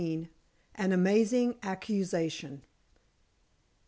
AN AMAZING ACCUSATION.